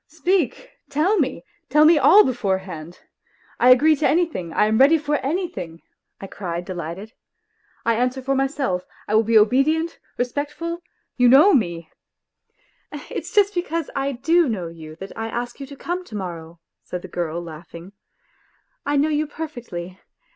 Speak, tell me, tell me all beforehand ; I agree to anything, I am ready for anything," I cried delighted. " I answer for myself, I will be obedient, respectful ... you know me. ..."" It's just because I do know you that I ask you to come to morrow," said the girl, laughing. " I know you perfectly.